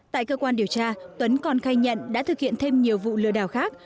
tại cơ quan điều tra tuấn còn khai nhận đã thực hiện thêm nhiều vụ lừa đảo khác